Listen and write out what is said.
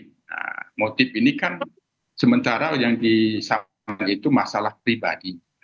nah motif ini kan sementara yang disampaikan itu masalah pribadi